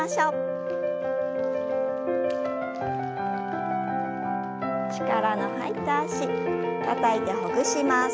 力の入った脚たたいてほぐします。